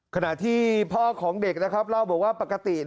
ขณะที่พ่อของเด็กนะครับเล่าบอกว่าปกติ